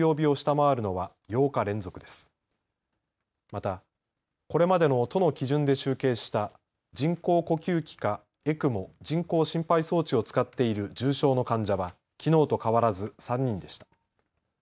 また、これまでの都の基準で集計した人工呼吸器かＥＣＭＯ・人工心肺装置を使っている重症の患者はきのうと変わらず３人でした。